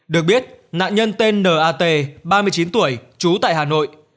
được biết nạn nhân tên n a t ba mươi chín tuổi trú tại hà nội